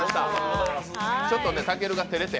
ちょっと、たけるが照れて。